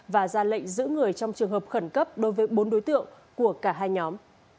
và ra lệnh giữ người trong trường hợp khẩn cấp đối với bốn đối tượng của cả hai nhóm